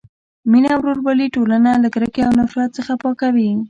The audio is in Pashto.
مینه او ورورولي ټولنه له کرکې او نفرت څخه پاکوي.